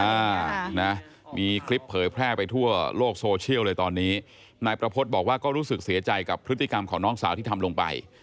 อ่านะมีคลิปเผยแพร่ไปทั่วโลกโซเชียลเลยตอนนี้นายประพฤติบอกว่าก็รู้สึกเสียใจกับพฤติกรรมของน้องสาวที่ทำลงไป